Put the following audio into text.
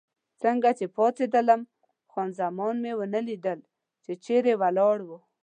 څنګه چې راپاڅېدم، خان زمان مې ونه لیدله، چې چېرې ولاړه.